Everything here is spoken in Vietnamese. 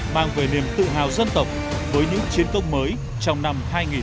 mang về niềm tự hào dân tộc với những chiến công mới trong năm hai nghìn một mươi chín